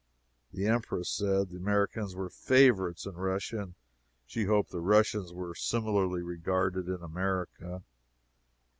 The Empress said the Americans were favorites in Russia, and she hoped the Russians were similarly regarded in America.